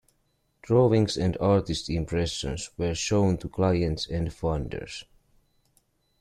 Drawings and artist impressions were shown to clients and funders.